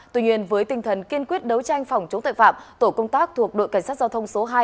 tuy nhiên với tinh thần kiên quyết đấu tranh phòng chống tội phạm tổ công tác thuộc đội cảnh sát giao thông số hai